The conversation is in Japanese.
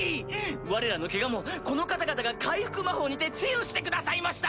われらのケガもこの方々が回復魔法にて治癒してくださいました！